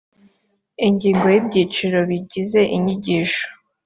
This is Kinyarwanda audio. ingingo y’byiciro bigize inyigisho